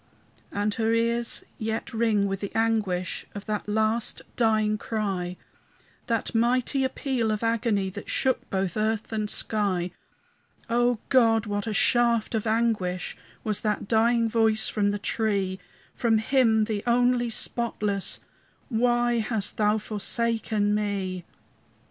And her ears yet ring with the anguish Of that last dying cry, That mighty appeal of agony That shook both earth and sky. O God, what a shaft of anguish Was that dying voice from the tree! From Him the only spotless, "Why hast Thou forsaken me?"